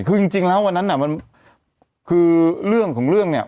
คือจริงแล้ววันนั้นน่ะมันคือเรื่องของเรื่องเนี่ย